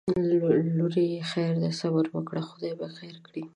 لورې خیر دی صبر وکړه خدای به خیر کړي